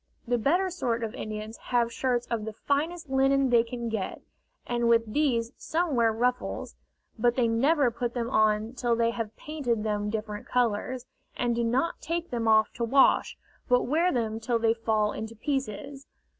The better sort of Indians have shirts of the finest linen they can get, and with these some wear ruffles, but they never put them on till they have painted them different colors, and do not take them off to wash, but wear them till they fall into pieces.